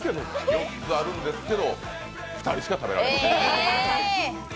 ４つありますけど２人しか食べられません。